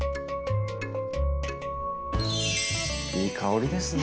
いい香りですね。